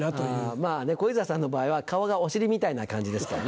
まぁね小遊三さんの場合は顔がお尻みたいな感じですから。